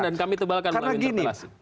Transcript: dan kami tebalkan untuk interpelasi